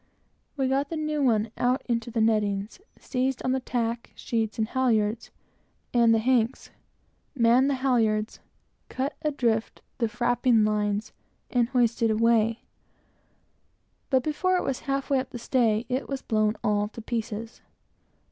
We got the new one out, into the nettings; seized on the tack, sheets, and halyards, and the hanks; manned the halyards, cut adrift the frapping lines, and hoisted away; but before it was half way up the stay, it was blown all to pieces.